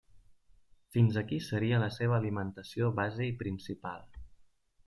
Fins aquí seria la seva alimentació base i principal.